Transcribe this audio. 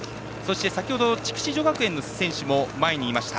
先程、筑紫女学園の選手も前にいました。